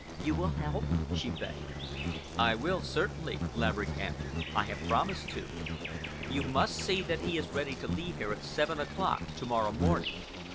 "You will help?" she begged. "I will help, certainly," Laverick answered. "I have promised to. You must see that he is ready to leave here at seven o'clock to morrow morning.